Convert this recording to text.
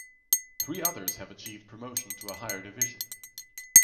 Three others have achieved promotion to a higher division.